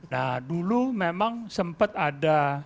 nah dulu memang sempat ada